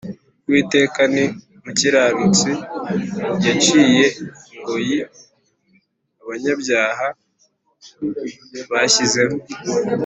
Uwiteka ni umukiranutsi, yaciye ingoyi abanyabyaha banshyizeho